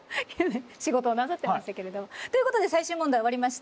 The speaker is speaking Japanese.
仕事をなさってましたけれど。ということで最終問題終わりました。